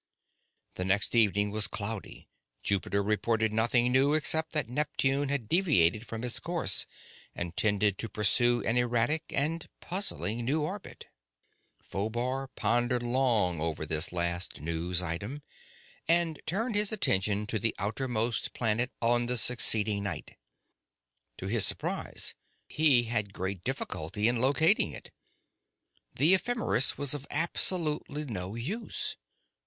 The next evening was cloudy. Jupiter reported nothing new except that Neptune had deviated from its course and tended to pursue an erratic and puzzling new orbit. Phobar pondered long over this last news item and turned his attention to the outermost planet on the succeeding night. To his surprise, he had great difficulty in locating it. The ephemeris was of absolutely no use.